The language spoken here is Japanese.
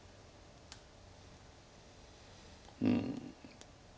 うん。